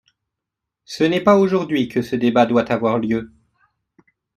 Ce n’est pas aujourd’hui que ce débat doit avoir lieu.